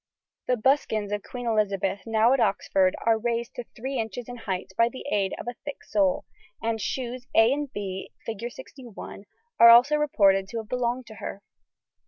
The buskins of Queen Elizabeth now at Oxford are raised to 3 inches in height by the aid of a thick sole, and shoes A and B, Fig. 61, are also reported to have belonged to her.